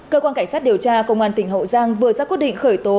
cơ quan cảnh sát điều tra công an tỉnh hậu giang vừa ra quyết định khởi tố